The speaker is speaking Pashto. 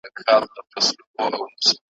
ته چي کیسه کوې جانانه پر ما ښه لګیږي ,